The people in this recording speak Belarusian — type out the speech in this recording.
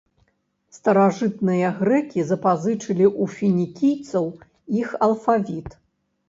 Старажытныя грэкі запазычылі ў фінікійцаў іх алфавіт.